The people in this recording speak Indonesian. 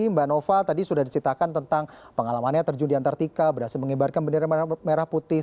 mbak nova tadi sudah diceritakan tentang pengalamannya terjun di antartika berhasil mengibarkan bendera merah putih